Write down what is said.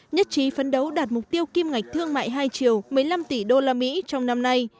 nhất trí phấn đấu đạt mục tiêu kim ngạch thương mại hai triệu một mươi năm tỷ usd trong năm nay